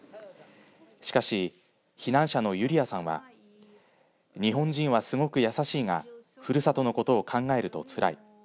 しかし、避難者のユリアさんは日本人は、すごくやさしいがふるさとのことを考えるとつらい。